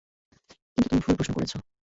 কিন্তু তুমি ভুল প্রশ্ন করেছ।